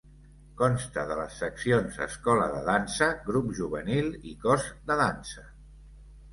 Consta de les seccions Escola de Dansa, Grup Juvenil i Cos de Dansa.